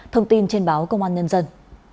thông tin trên báo công an nhân dân